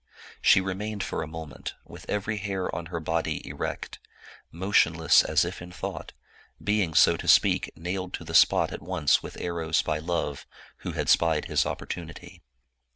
She remained for a moment, with every hair on her body erect, motionless as if in thought, being, so to speak, nailed to the spot at once with arrows by Love, who had spied his opportunity.